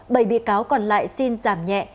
bảy bị cáo còn lại xin giảm nhẹ